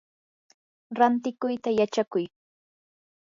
rantikuyta yachakuy.